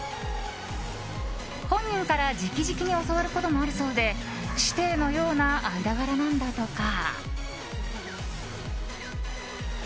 本人から直々に教わることもあるそうで師弟のような間柄なんだとか。